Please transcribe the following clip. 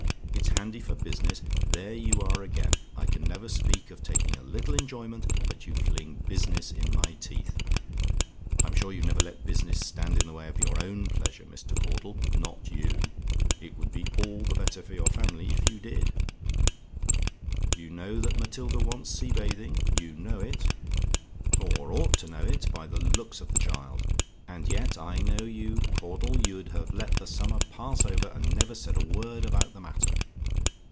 "IT'S HANDY FOR BUSINESS? "There you are again! I can never speak of taking a little enjoyment, but you fling business in my teeth. I'm sure you never let business stand in the way of your own pleasure, Mr. Caudle not you. It would be all the better for your family if you did. "You know that Matilda wants sea bathing; you know it, or ought to know it, by the looks of the child; and yet I know you, Caudle you'd have let the summer pass over, and never said a word about the matter.